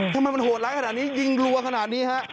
ทำไมมันโหดร้ายขนาดนี้ยิงรัวขนาดนี้ฮะ